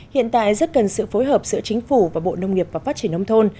hiện tại rất cần sự phối hợp giữa chính phủ và bộ nông nghiệp và phát triển nông thôn